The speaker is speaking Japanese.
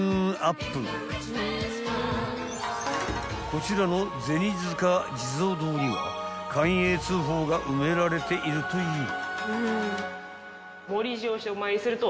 ［こちらの銭塚地蔵堂には寛永通宝が埋められているという］